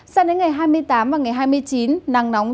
sang đến ngày hai mươi tám và ngày hai mươi chín nắng nóng